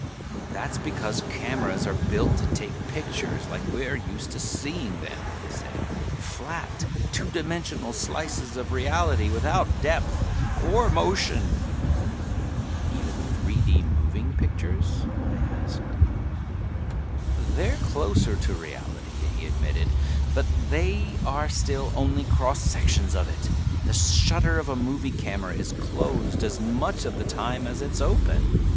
"That's because cameras are built to take pictures like we're used to seeing them," he said. "Flat, two dimensional slices of reality, without depth or motion." "Even 3 D moving pictures?" I asked. "They're closer to reality," he admitted. "But they are still only cross sections of it. The shutter of a movie camera is closed as much of the time as it is open.